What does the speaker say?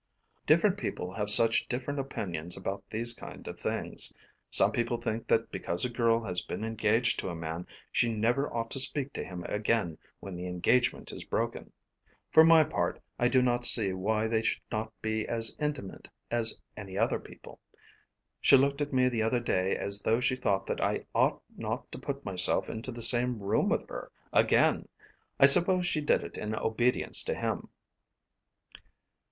"Different people have such different opinions about these kind of things. Some people think that because a girl has been engaged to a man she never ought to speak to him again when the engagement is broken. For my part I do not see why they should not be as intimate as any other people. She looked at me the other day as though she thought that I ought not to put myself into the same room with her again. I suppose she did it in obedience to him."